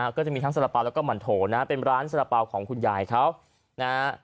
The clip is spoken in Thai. ก็จะมีทั้งสาปาวแล้วก็หม่อนโถนะเป็นร้านสาปาวของคุณยายเขา